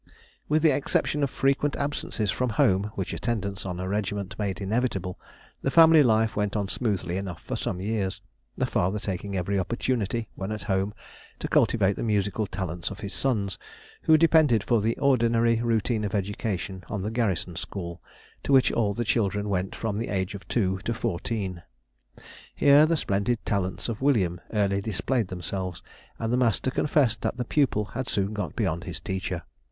With the exception of frequent absences from home which attendance on a regiment made inevitable, the family life went on smoothly enough for some years, the father taking every opportunity, when at home, to cultivate the musical talents of his sons, who depended for the ordinary routine of education on the garrison school, to which all the children went from the age of two to fourteen. Here the splendid talents of William early displayed themselves, and the master confessed that the pupil had soon got beyond his teacher.